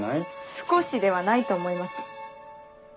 少しではないと思います。